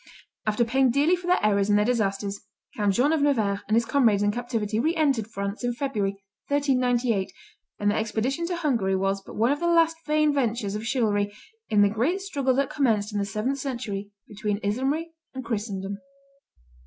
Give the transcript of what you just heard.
After paying dearly for their errors and their disasters, Count John of Nevers and his comrades in captivity re entered France in February, 1398, and their expedition to Hungary was but one of the last vain ventures of chivalry in the great struggle that commenced in the seventh century between Islamry and Christendom.